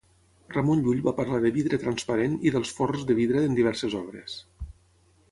Ramon Llull va parlar de vidre transparent i dels forns de vidre en diverses obres.